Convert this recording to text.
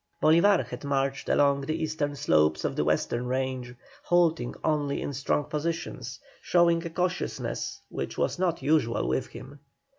Bolívar had marched along the eastern slopes of the western range, halting only in strong positions, showing a cautiousness which was not usual with him.